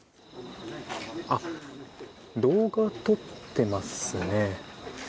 動画、撮ってますね。